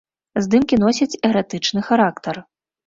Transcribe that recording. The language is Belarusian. Здымкі носяць эратычны характар.